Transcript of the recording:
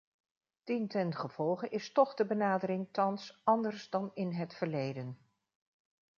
Dientengevolge is toch de benadering thans anders dan in het verleden.